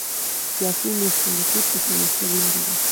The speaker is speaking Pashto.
سیاسي مشارکت د پرمختګ لاره ده